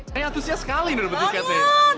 saya antusias sekali menemukan tiket ini